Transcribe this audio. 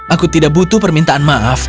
aku tidak butuh permintaan maaf